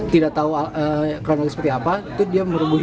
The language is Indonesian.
tidak tahu kronologi seperti apa itu dia merebut